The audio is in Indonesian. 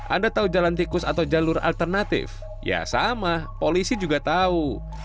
anda tahu jalan tikus atau jalur alternatif ya sama polisi juga tahu